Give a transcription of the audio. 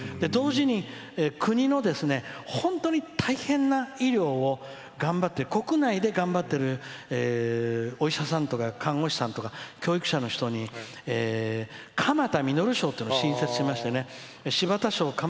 同時に国の本当に大変な医療を国内で頑張っているお医者さんとか看護師さんとか教育者の人に鎌田實賞というのを新設しまして。